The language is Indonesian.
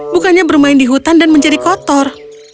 bukannya bermain di hutan dan menjadi kotor